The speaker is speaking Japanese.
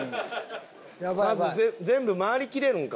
まず全部回りきれるんか？